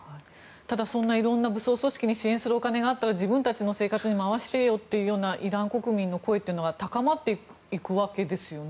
ただ、いろんな武装勢力に支援するお金があったら自分たちの生活に回してよというイラン国民の声は高まっていくわけですよね。